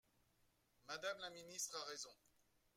Madame la ministre a raison